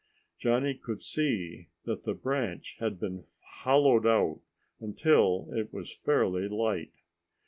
Johnny could see that the branch had been hollowed out until it was fairly light.